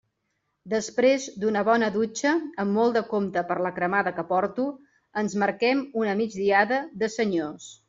Després d'una bona dutxa, amb molt de compte per la cremada que porto, ens marquem una migdiada de senyors.